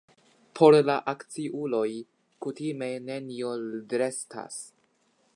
Por la akciuloj kutime nenio restas.